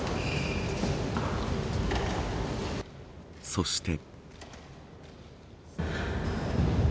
そして。